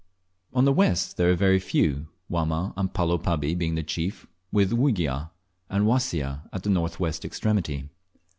On the west there are very few, Wamma and Palo Pabi being the chief, with Ougia, and Wassia at the north west extremity.